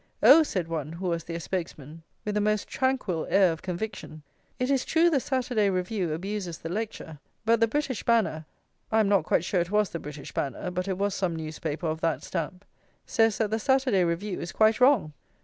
"Oh," said one who was their spokesman, with the most tranquil air of conviction, "it is true the Saturday Review abuses the lecture, but the British Banner" (I am not quite sure it was the British Banner, but it was some newspaper of that stamp) "says that the Saturday Review is quite wrong."